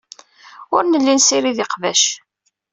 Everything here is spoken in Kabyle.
Ur nelli nessirid iqbac.